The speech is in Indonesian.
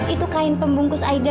itu kain pembungkus aida